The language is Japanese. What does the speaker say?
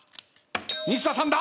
西田さんだ！